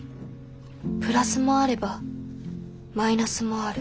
プラスもあればマイナスもある。